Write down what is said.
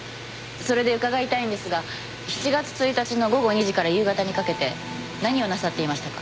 それで伺いたいんですが７月１日の午後２時から夕方にかけて何をなさっていましたか？